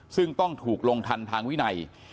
ซึ่งต้องถูกลงทันทางวินัย